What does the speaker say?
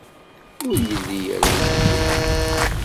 Ur yelli ara yillu.